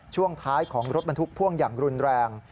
ช่วงท้ายของรถบรรทุกพ่วงอย่างรุนแรง